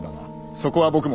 そこは僕も。